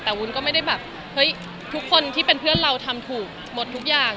แต่วุ้นก็ไม่ได้แบบเฮ้ยทุกคนที่เป็นเพื่อนเราทำถูกหมดทุกอย่าง